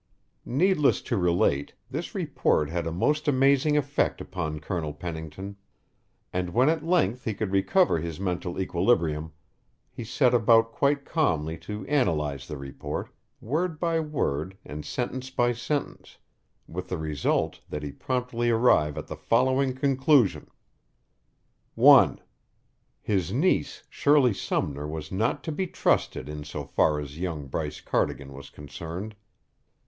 Needless to relate, this report had a most amazing effect upon Colonel Pennington, and when at length he could recover his mental equilibrium, he set about quite calmly to analyze the report, word by word and sentence by sentence, with the result that he promptly arrived at the following conclusion: (1) His niece Shirley Sumner was not to be trusted in so far as young Bryce Cardigan was concerned.